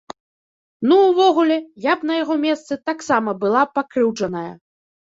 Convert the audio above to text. Ну, увогуле, я б на яго месцы таксама была пакрыўджаная.